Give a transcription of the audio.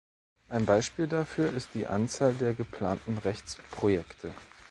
Ein Beispiel dafür ist die Anzahl der geplanten Rechtsprojekte.